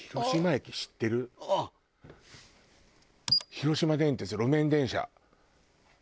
広島電鉄路面電車。